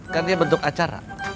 kan dia bentuk acara